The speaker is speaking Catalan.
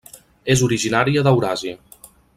És originària d'Euràsia.